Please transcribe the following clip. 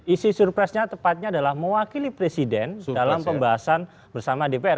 isi surprise nya tepatnya adalah mewakili presiden dalam pembahasan bersama dpr